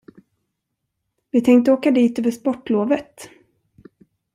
Vi tänkte åka dit över sportlovet.